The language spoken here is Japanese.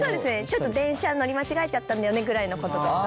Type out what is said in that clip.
ちょっと電車乗り間違えちゃったんだよねぐらいのこととか。